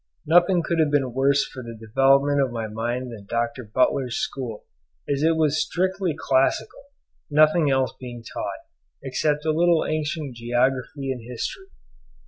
Nothing could have been worse for the development of my mind than Dr. Butler's school, as it was strictly classical, nothing else being taught, except a little ancient geography and history.